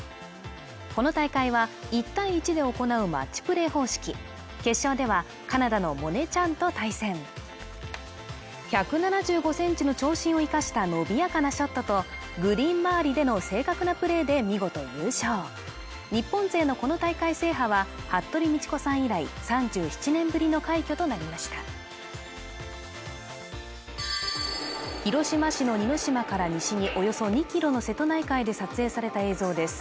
この大会は１対１で行うマッチプレー方式決勝ではカナダのモネ・チャンと対戦１７５センチの長身を生かした伸びやかなショットとグリーン周りでの正確なプレーで見事優勝日本勢のこの大会制覇は服部道子さん以来３７年ぶりの快挙となりました広島市の似島から西におよそ２キロの瀬戸内海で撮影された映像です